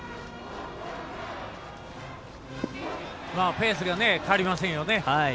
ペースが変わりませんよね。